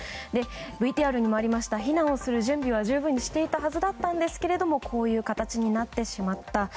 ＶＴＲにもありました避難をする準備は十分にしていたはずだったんですがこういう形になってしまった。